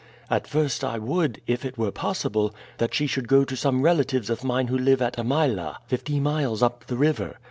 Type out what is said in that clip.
At first I would, if it were possible, that she should go to some relatives of mine who live at Amyla, fifty miles up the river.